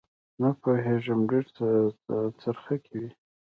نه پوېېږم ډېرې څرخکې وې.